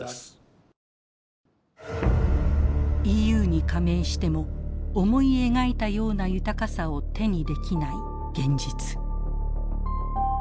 ＥＵに加盟しても思い描いたような豊かさを手にできない現実。